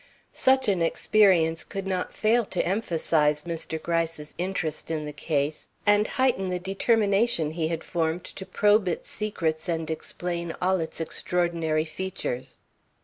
Such an experience could not fail to emphasize Mr. Gryce's interest in the case and heighten the determination he had formed to probe its secrets and explain all its extraordinary features.